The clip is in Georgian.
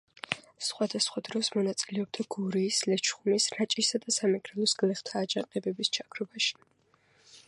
სხვადასხვა დროს მონაწილეობდა გურიის, ლეჩხუმის, რაჭისა და სამეგრელოს გლეხთა აჯანყებების ჩაქრობაში.